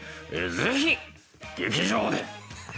ぜひ劇場で。